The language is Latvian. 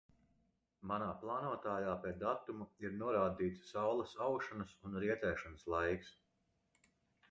Manā plānotājā pie datuma ir norādīts saules aušanas un rietēšanas laiks.